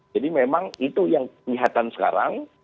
jadi memang itu yang kelihatan sekarang